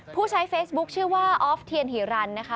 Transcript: ผู้ใช้เฟซบุ๊คชื่อว่าออฟเทียนหิรันนะคะ